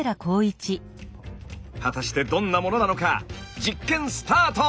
果たしてどんなものなのか実験スタート！